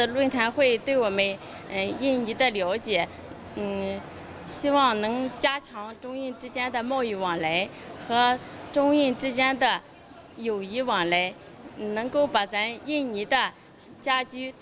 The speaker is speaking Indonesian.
furniture yang menarik untuk kita di jepara